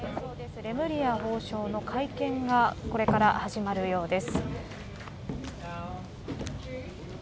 レムリヤ法相の会見がこれから始まるようです。